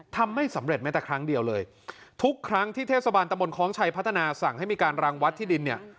ทุกครั้งที่เทศบาลตะบนคลองชัยพัฒนาสั่งให้มีการรางวัดที่ดิน